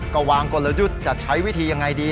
ก็วางกลยุทธ์จะใช้วิธียังไงดี